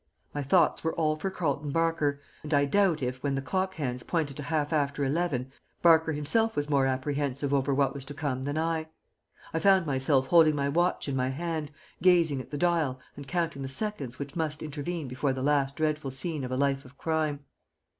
My thoughts were all for Carleton Barker, and I doubt if, when the clock hands pointed to half after eleven, Barker himself was more apprehensive over what was to come than I. I found myself holding my watch in my hand, gazing at the dial and counting the seconds which must intervene before the last dreadful scene of a life of crime.